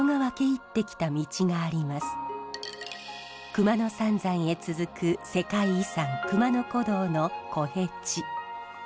熊野三山へ続く世界遺産熊野古道の小辺路。